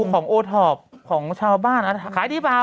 ของโอทำผมชอบว่าขายดีเปล่า